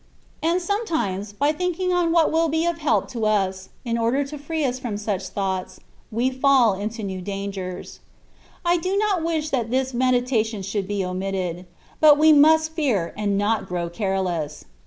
And sometimes, by thinking on what will be of help to us, in order to free us from such thoughts, we fall into new dangers. I do not wish that this meditation should be omitted ; but we must fear, and not grow careless.